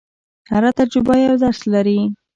هره تجربه یو درس لري.